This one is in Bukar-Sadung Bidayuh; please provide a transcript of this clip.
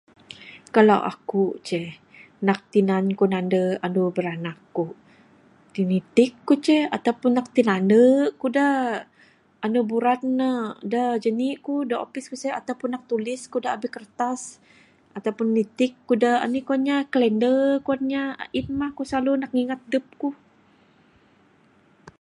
Kalau akuk ce, nak tinan kuk nanda andu biranak kuk, tinitik ku ceh atau pun nak tinandu' kuk da andu buran ne da janik kuk, da opis kuk sen atau pun nak tulis kuk da abih kertas, Atau pun nitik kuk da anih kuwan nya, kalender, kuan nya. A'in mah kuk slalu nak ngingat dup kuk.